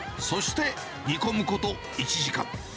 そして煮込むこと１時間。